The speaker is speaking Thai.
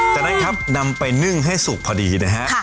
จากนั้นครับนำไปนึ่งให้สุกพอดีนะฮะ